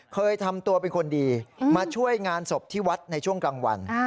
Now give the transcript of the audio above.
เคยทำตัวเป็นคนดีมาช่วยงานศพที่วัดในช่วงกลางวัน